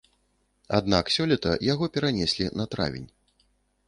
Аднак сёлета яго перанеслі на травень.